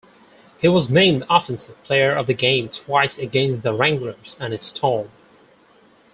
He was named offensive player of the game twice against the Wranglers and Storm.